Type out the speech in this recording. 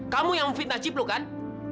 kamu yang memfitnah cipluk kan